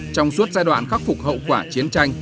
trong suốt giai đoạn khắc phục hậu quả chiến tranh